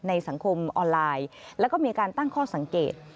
ในสังคมออนไลน์แล้วก็มีการตั้งข้อสังเกต